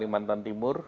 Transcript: daerah kalimantan timur